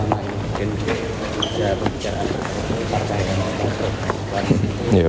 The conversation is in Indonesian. bersama dengan bnp bnp bnp bnp